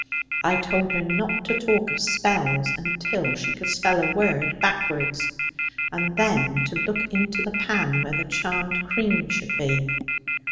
I told her not to talk of spells, until she could spell a word backwards; and then to look into the pan where the charmed cream should be.